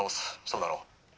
そうだろ？」。